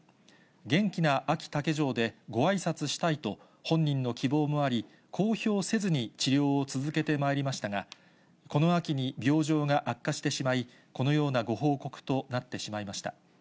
元気なあき竹城でごあいさつしたいと、本人の希望もあり、公表せずに治療を続けてまいりましたが、この秋に病状が悪化してしまい、このようなご報告となってしまいました。